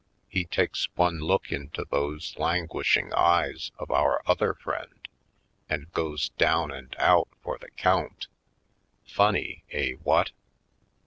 He takes one look into those languishing eyes of our other friend and goes down and out for the count. Funny — eh, what?